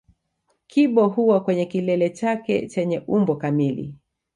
Kibo huwa kwenye kilele chake chenye umbo kamili